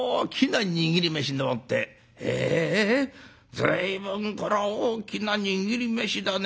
随分これは大きな握り飯だね。